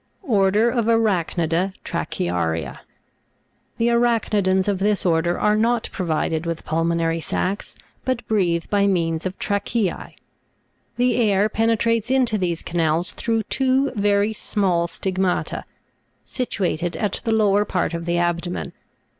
ORDER OF ARACH'NIDA TRACHEA'RIA. 28. The Arach'nidans of this order are not provided with pul monary sacs, but breathe by means of trach'eoe. The air pene trates into these canals through two very small stigmata, situated at the lower part of the abdomen.